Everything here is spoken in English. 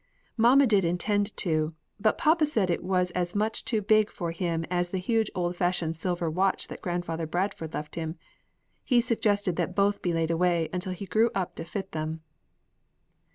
"Mamma did intend to, but papa said it was as much too big for him as the huge old fashioned silver watch that Grandfather Bradford left him. He suggested that both be laid away until he grew up to fit them."